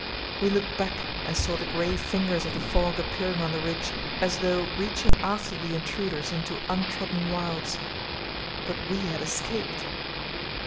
We looked back and saw the grey fingers of the fog appearing on the ridge, as though reaching after the intruders into untrodden wilds. But we had escaped.